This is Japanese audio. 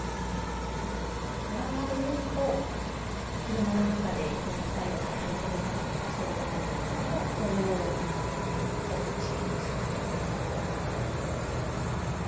ドラマで言うと車の中でよく２人乗って張り込み捜査とかしてると思うんですけどもそういう捜査もしていました。